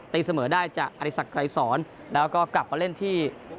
เสมอได้จากอริสักไกรสอนแล้วก็กลับมาเล่นที่